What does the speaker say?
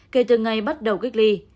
kể từ ngày bắt đầu cách ly